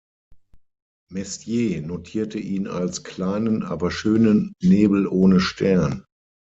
Messier notierte ihn als kleinen, aber schönen "Nebel ohne Stern".